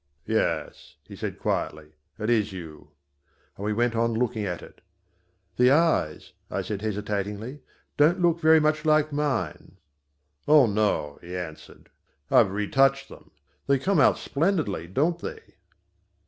"Yes," he said quietly, "it is you," and we went on looking at it. "The eyes," I said hesitatingly, "don't look very much like mine." "Oh, no," he answered, "I've retouched them. They come out splendidly, don't they?"